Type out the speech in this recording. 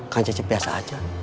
kan cecep biasa aja